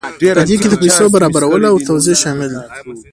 په دې کې د پیسو برابرول او توزیع شامل دي.